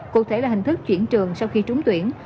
cụ thể là hình thức chuyển trường sau khi trúng tuyển